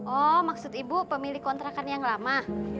oh maksud ibu pemilik kontrakan yang lama